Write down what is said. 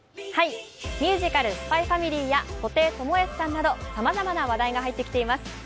ミュージカル「ＳＰＹ×ＦＡＭＩＬＹ」や布袋寅泰さんなどさまざまな話題が入ってきています。